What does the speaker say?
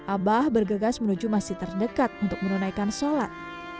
abah bergegas menuju masjid terdekat untuk menunaikan sholat